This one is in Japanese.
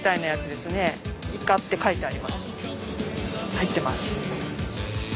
入ってます。